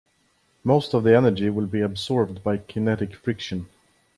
Most of the energy will be absorbed by kinetic friction.